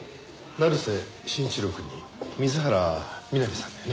成瀬真一郎くんに水原美波さんだよね？